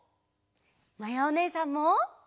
まやおねえさんも。